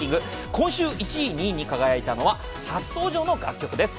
今週１位、２位に輝いたのは初登場の楽曲です。